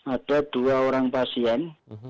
ada dua orang pasien